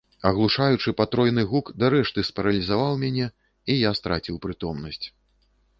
Аглушаючы патройны гук дарэшты спаралізаваў мяне, і я страціў прытомнасць.